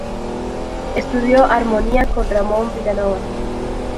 Estudió armonía con Ramón Vilanova.